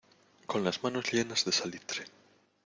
con las manos llenas de salitre.